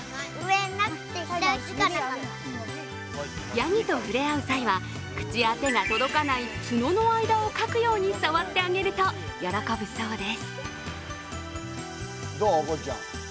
やぎと触れ合う際は、口や手が届かない角の間をかくように触ってあげると、喜ぶそうです。